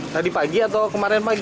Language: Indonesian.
tadi pagi atau kemarin pagi